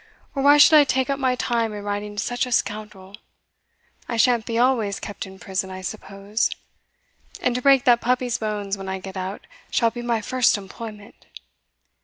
or why should I take up my time in writing to such a scoundrel? I shan't be always kept in prison, I suppose; and to break that puppy's bones when I get out, shall be my first employment."